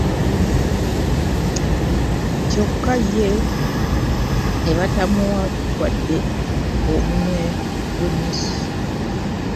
Kyokka ye ne batamuwa wadde omunwe gw'ennusu.